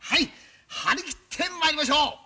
張り切ってまいりましょう。